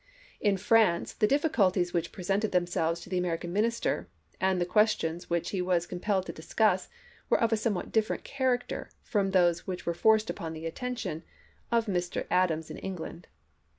In France the difficulties which presented them selves to the American Minister, and the ques tions which he was compelled to discuss, were of a somewhat different character from those which were forced upon the attention of Mr. 62 ABKAHAM LINCOLN Chap. Ill, Adams in England.